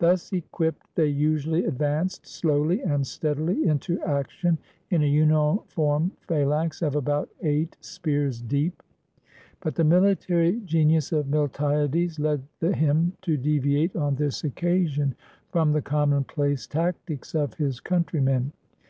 Thus equipped, they usually advanced slowly and steadily into action in a uniform phalanx of about eight spears deep. But the mihtary genius of Miltiades led him to deviate on this occasion from the commonplace tactics of his countrymen.